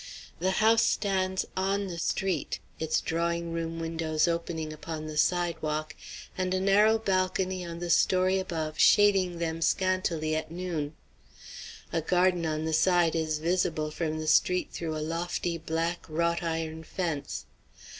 The house stands on the street, its drawing room windows opening upon the sidewalk, and a narrow balcony on the story above shading them scantily at noon. A garden on the side is visible from the street through a lofty, black, wrought iron fence.